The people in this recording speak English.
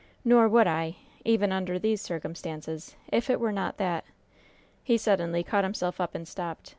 Nor would I, even under these circumstances, if it were not that" he suddenly caught himself up and stopped.